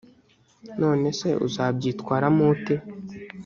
none se uzabyitwaramo ute